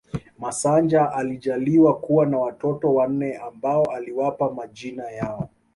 Masanja alijaaliwa kuwa na watoto wanne ambao aliwapa majina yao